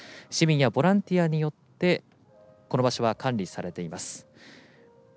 市民やボランティアによってこの場所は管理されています。